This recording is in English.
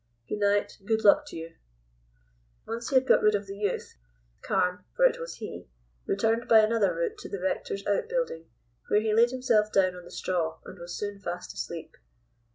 "Good night, and good luck to you." Once he had got rid of the youth, Carne (for it was he) returned by another route to the rector's outbuilding, where he laid himself down on the straw, and was soon fast asleep.